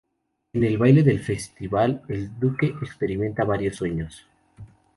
En el baile del festival el Duque experimenta varios sueños.